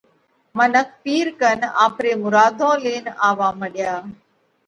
منک پِير ڪنَ آپري مُراڌون لينَ آوَووا مڏيا۔